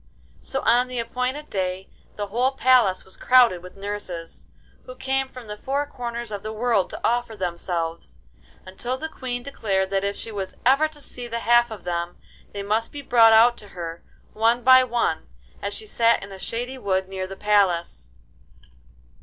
So on the appointed day the whole palace was crowded with nurses, who came from the four corners of the world to offer themselves, until the Queen declared that if she was ever to see the half of them, they must be brought out to her, one by one, as she sat in a shady wood near the palace.